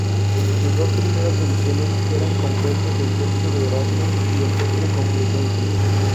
Sus dos primeras ediciones eran compuestos del texto de Erasmo y el texto Complutense.